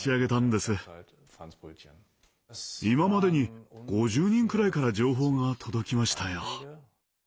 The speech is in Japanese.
今までに５０人くらいから情報が届きましたよ。